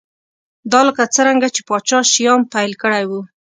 دا لکه څرنګه چې پاچا شیام پیل کړی و